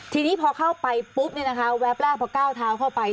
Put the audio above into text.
ทีนี้พอเข้าไปปุ๊บแวบแรกพอก้าวเท้าเข้าไป